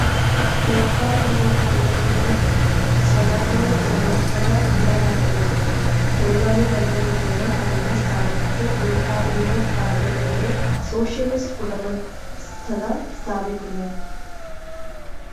ഉല്പാദനോപാധികളുടെ സ്വകാര്യ ഉടമസ്ഥത ഇല്ലാതാക്കുന്നതിൽ, തൊഴിലാളിവർഗ വിപ്ലവം അതിന്റെ സ്ഥാനത്ത് ഉൽപ്പാദനോപാധികളുടെ സോഷ്യലിസ്റ്റ് ഉടമസ്ഥത സ്ഥാപിക്കുന്നു.